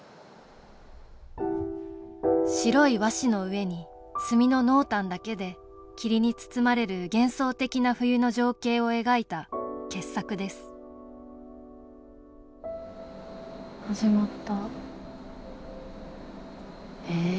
白い和紙の上に墨の濃淡だけで霧に包まれる幻想的な冬の情景を描いた傑作ですへえ！